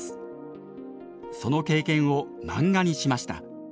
その経験を漫画にしました。